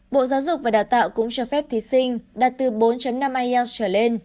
bộ giáo dục và đào tạo cũng cho phép thí sinh đạt từ bốn năm ielts trở lên